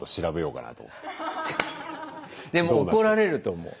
でも怒られると思う。